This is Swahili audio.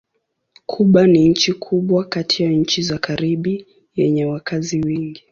Kuba ni nchi kubwa kati ya nchi za Karibi yenye wakazi wengi.